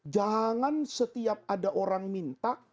jangan setiap ada orang minta